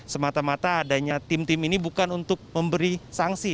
semata mata adanya tim tim ini bukan untuk memberi sanksi